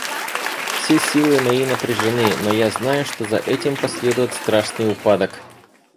Все силы мои напряжены, но я знаю, что за этим последует страшный упадок.